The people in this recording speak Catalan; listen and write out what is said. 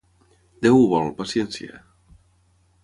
Déu ho vol, paciència.